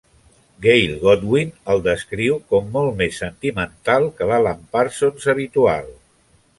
Gail Godwin el descriu com molt més sentimental que l'Alan Parsons habitual.